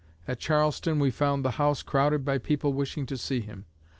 At Charleston we found the house crowded by people wishing to see him.